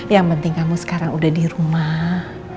yang penting kamu sekarang udah dirumah